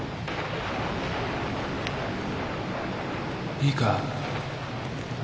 いいか？